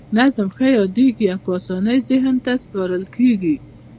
نظم ښه یادیږي او په اسانۍ ذهن ته سپارل کیږي.